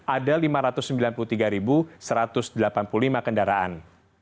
ada lima ratus sembilan puluh tiga satu ratus delapan puluh lima kendaraan